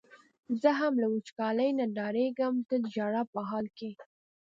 زه هم له وچکالۍ نه ډارېږم د ژړا په حال کې.